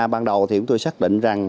ban đầu thì chúng tôi xác định rằng